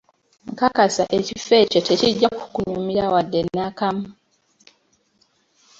Nkakasa ekifo ekyo tekijja kukunyumira wadde nakamu.